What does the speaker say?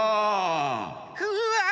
うわ！